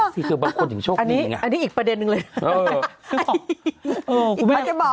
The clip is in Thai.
สิคือเบาคนถึงโชคนี้อันนี้อีกประเด็นหนึ่งเลย